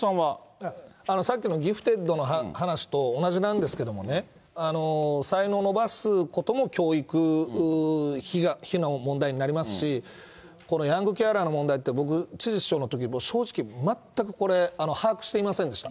さっきのギフテッドの話と、同じなんですけどもね、才能伸ばすことも教育費の問題になりますし、このヤングケアラーの問題って僕、知事、市長のときに正直、全くこれ、把握していませんでした。